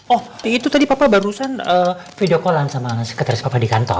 oh itu tadi papa barusan video call an sama sekretaris papa di kantor